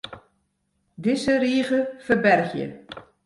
Dizze rige ferbergje.